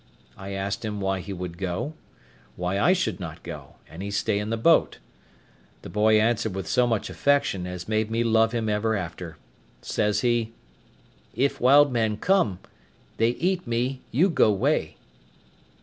I asked him why he would go? why I should not go, and he stay in the boat? The boy answered with so much affection as made me love him ever after. Says he, "If wild mans come, they eat me, you go wey."